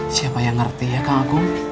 siapa yang ngerti ya kang agung